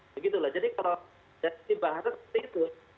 begitulah jadi kalau dari bahasa seperti itu